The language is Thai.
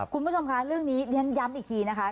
คุณผู้ชมคะเรื่องนี้เรียนย้ำอีกทีนะคะ